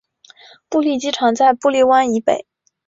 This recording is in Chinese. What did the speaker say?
布利机场在布利湾以北。